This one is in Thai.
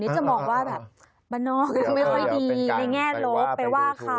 จะมองว่าแบบบ้านนอกยังไม่ค่อยดีในแง่ลบไปว่าเขา